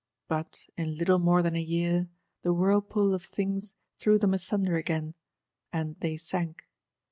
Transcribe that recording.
But in little more than a year, the whirlpool of things threw them asunder again, and they sank.